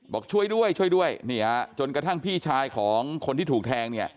บอกช่วยด้วยช่วยด้วยจนกระทั่งพี่ชายของคนที่ถูกแทงเนี่ย